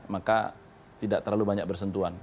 maka tidak terlalu banyak bersentuhan